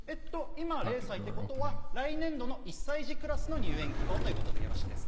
今０歳ってことは来年度の１歳児クラスの入園希望ということでよろしいですね？